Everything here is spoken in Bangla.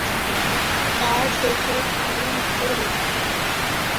তার দেশের বাড়ি নাটোরে।